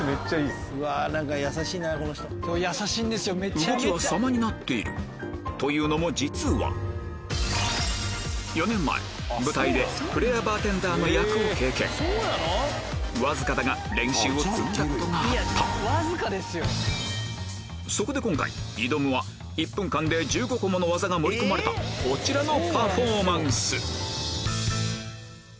動きは様になっているというのも実は４年前舞台でわずかだが練習を積んだことがあったそこで今回挑むは１分間で１５個もの技が盛り込まれたこちらのパフォーマンス